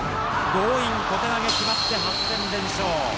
強引、小手投げきまって８戦連勝。